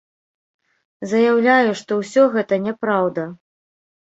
Заяўляю, што ўсё гэта няпраўда.